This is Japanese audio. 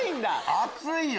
熱いよ